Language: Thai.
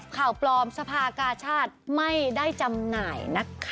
ข่าวปลอมสภากาชาติไม่ได้จำหน่ายนะคะ